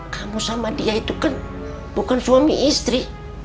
kamu sama dia itu kan bukan suami istri